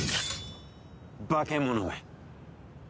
化け物め。